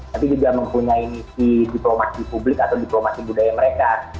tapi juga mempunyai misi diplomasi publik atau diplomasi budaya mereka